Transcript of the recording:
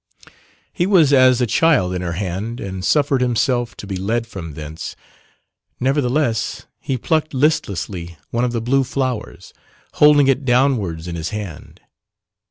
He was as a child in her hand and suffered himself to be led from thence, nevertheless he plucked listlessly one of the blue flowers, holding it downwards in his hand.